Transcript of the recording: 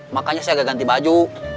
makanya saya agak ganti baju